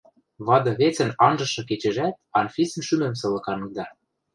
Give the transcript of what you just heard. Вады вецӹн анжышы кечӹжӓт Анфисӹн шӱмӹм сылыкангда.